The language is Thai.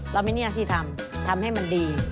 เราไม่เนี่ยะที่ทำทำให้มันดี